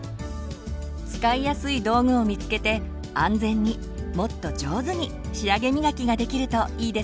使いやすい道具を見つけて安全にもっと上手に仕上げみがきができるといいですね。